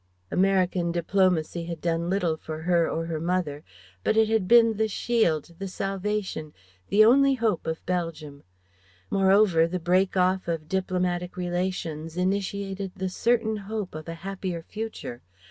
American diplomacy had done little for her or her mother, but it had been the shield, the salvation, the only hope of Belgium. Moreover, the break off of diplomatic relations initiated the certain hope of a happier future.